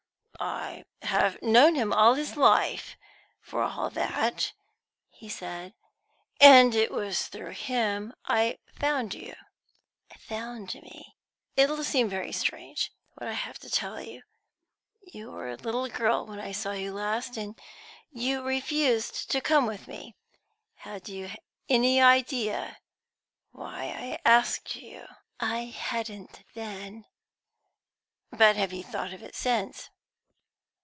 "I have known him all his life, for all that," he said. "And it was through him I found you." "Found me?" "It'll seem very strange, what I have to tell you. You were a little girl when I saw you last, and you refused to come with me. Had you any idea why I asked you?" "I hadn't then." "But you have thought of it since?"